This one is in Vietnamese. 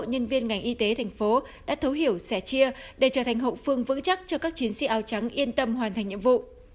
nhân viên ngành y tế thành phố đã thấu hiểu sẻ chia để trở thành hậu phương vững chắc cho các chiến sĩ áo trắng yên tâm hoàn thành nhiệm vụ